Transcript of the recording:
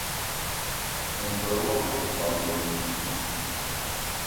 Ntol wakokóm ekut i?